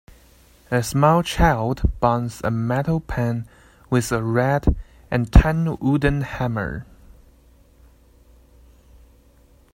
A small child bangs a metal pan with a red and tan wooden hammer.